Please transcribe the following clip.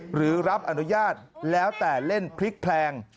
หรือรับอนุญาตแล้วแต่เล่นพลิกแพลง